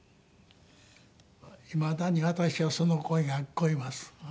いまだに私はその声が聞こえます。